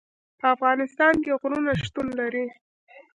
په افغانستان کې غرونه شتون لري.